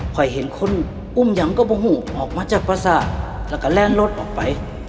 พอเห็นคนอุ้มยังก็โมโหออกมาจากประสาทแล้วก็แล่นรถออกไป